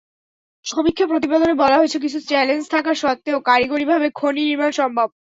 সমীক্ষা প্রতিবেদনে বলা হয়, কিছু চ্যালেঞ্জ থাকা সত্ত্বেও কারিগরিভাবে খনি নির্মাণ সম্ভব।